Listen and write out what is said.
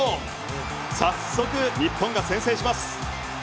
早速、日本が先制します。